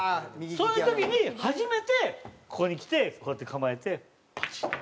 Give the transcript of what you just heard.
そういう時に初めてここにきてこうやって構えてパチン。